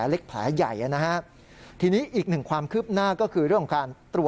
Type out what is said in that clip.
แล้วทีนี้ก็ต้องสอบปากคำเข้ม